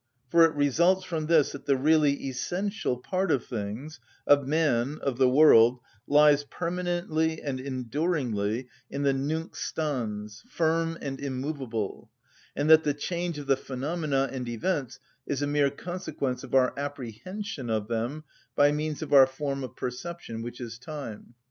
For it results from this that the really essential part of things, of man, of the world, lies permanently and enduringly in the Nunc stans, firm and immovable; and that the change of the phenomena and events is a mere consequence of our apprehension of them by means of our form of perception, which is time.